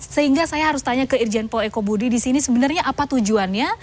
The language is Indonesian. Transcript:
sehingga saya harus tanya ke irjen pol ekobudi disini sebenarnya apa tujuannya